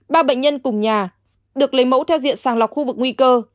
ba bệnh nhân cùng nhà được lấy mẫu theo diện sàng lọc khu vực nguy cơ